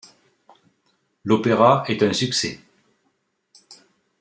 L'opéra est un succès.